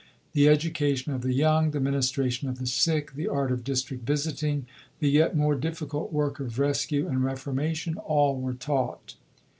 The education of the young, the ministration of the sick, the art of district visiting, the yet more difficult work of rescue and reformation, all were taught.